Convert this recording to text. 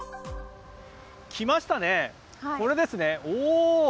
来ましたね、これですね。